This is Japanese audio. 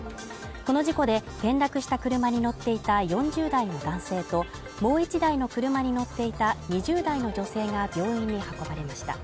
この事故で連絡した車に乗っていた４０代の男性と、もう１台の車に乗っていた２０代の女性が病院に運ばれました。